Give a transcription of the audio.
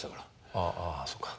ああそうか。